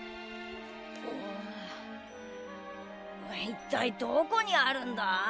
いったいどこにあるんだ？